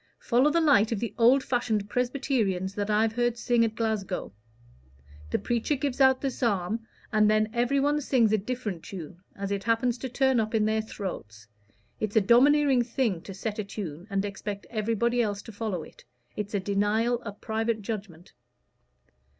"Follow the light of the old fashioned Presbyterians that I've heard sing at Glasgow. The preacher gives out the psalm, and then everybody sings a different tune, as it happens to turn up in their throats. It's a domineering thing to set a tune and expect everybody else to follow it. It's a denial of private judgment."